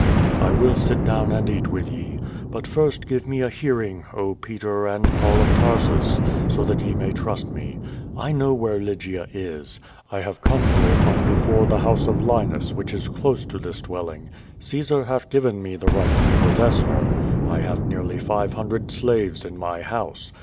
"I will sit down and eat with ye. But first give me a hear ing, oh, Peter and Paul of Tarsus, so that ye may trust me. I know where Lygia is. I have come here from before the liouse of Linus, which is close to this dwelling. Caesar hath given me the right to possess her. I have nearly five hundred slaves in my house.